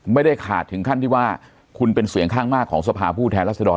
ไม่ได้ขาดถึงขั้นที่ว่าคุณเป็นเสียงข้างมากของสภาผู้แทนรัศดร